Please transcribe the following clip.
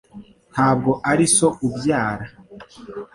Ntabwo ari so ubyara?